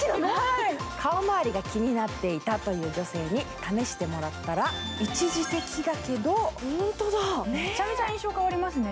顔周りが気になっていたという女性に試してもらったらめちゃめちゃ印象変わりますね。